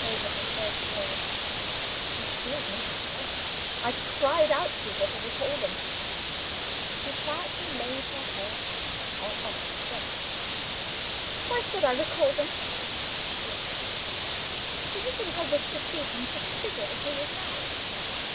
Those were her first words. They filled me with horror. I cried out to her to recall them. She quietly laid her head back on Oscar's breast. "Why should I recall them?" she asked. "Do you think I wish to see him disfigured as he is now?